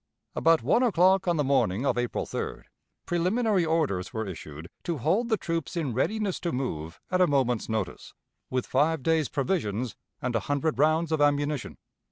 About one o'clock on the morning of April 3d preliminary orders were issued to hold the troops in readiness to move at a moment's notice, with five days' provisions and a hundred rounds of ammunition.